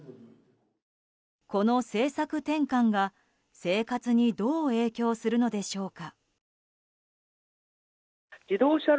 この政策転換が、生活にどう影響するのでしょうか。